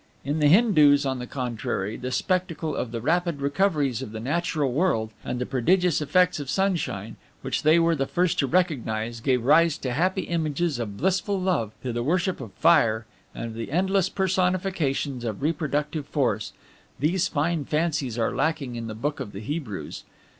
In the Hindoos, on the contrary, the spectacle of the rapid recoveries of the natural world, and the prodigious effects of sunshine, which they were the first to recognize, gave rise to happy images of blissful love, to the worship of Fire and of the endless personifications of reproductive force. These fine fancies are lacking in the Book of the Hebrews.